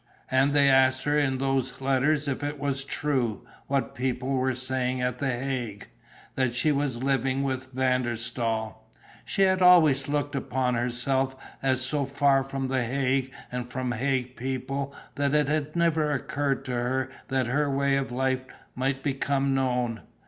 And they asked her in those letters if it was true, what people were saying at the Hague, that she was living with Van der Staal. She had always looked upon herself as so far from the Hague and from Hague people that it had never occurred to her that her way of life might become known.